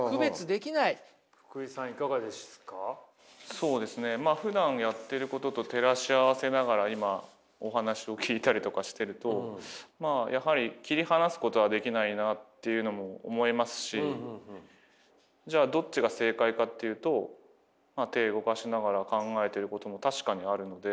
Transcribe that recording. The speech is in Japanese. そうですねまあふだんやってることと照らし合わせながら今お話を聞いたりとかしてるとまあやはり切り離すことはできないなっていうのも思いますしじゃあどっちが正解かっていうと手動かしながら考えてることも確かにあるので。